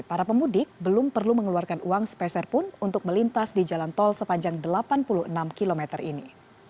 para pemudik belum perlu mengeluarkan uang sepeserpun untuk melintas di jalan tol sepanjang delapan puluh enam km ini